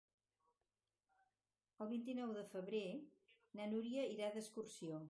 El vint-i-nou de febrer na Núria irà d'excursió.